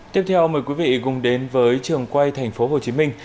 tiếp theo mời quý vị cùng đến với trường quay thành phố hồ chí minh